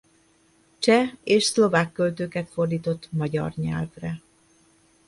Cseh és szlovák költőket fordított magyar nyelvre.